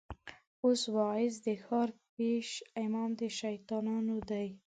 اوس واعظ د ښار پېش امام د شيطانانو دی